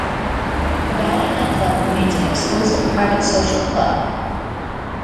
The Valley Hunt Club remains an exclusive private social club.